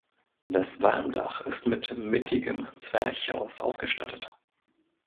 Das Walmdach ist mit mittigem Zwerchhaus ausgestattet.